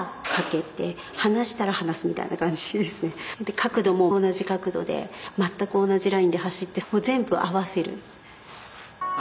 角度も同じ角度で全く同じラインで走って全部合わせる。